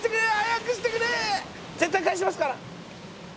絶対返しますから。